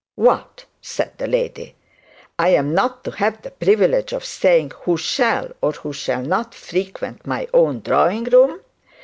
'What!' said the lady; 'I am not to have the privilege of saying who shall and who shall not frequent my own drawing room!